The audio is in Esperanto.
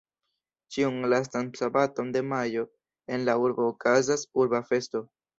Ĉiun lastan sabaton de majo en la urbo okazas Urba Festo.